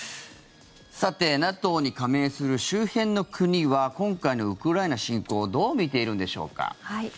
さて、ＮＡＴＯに加盟する周辺の国は今回のウクライナ侵攻をどう見ているんでしょうか。